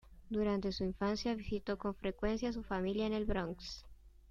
Durante su infancia visitó con frecuencia a su familia en el Bronx.